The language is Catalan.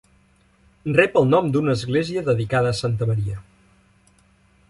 Rep el nom d'una església dedicada a Santa Maria.